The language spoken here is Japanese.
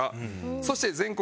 そして全国